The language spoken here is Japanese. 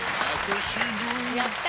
やった！